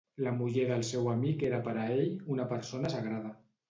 La muller del seu amic era per a ell una persona sagrada.